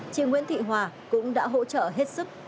chị nguyễn thị hòa cũng đã hỗ trợ hết sức